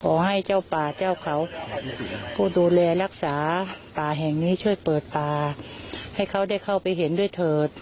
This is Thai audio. ขอให้เจ้าป่าเจ้าเขาผู้ดูแลรักษาป่าแห่งนี้ช่วยเปิดป่าให้เขาได้เข้าไปเห็นด้วยเถิด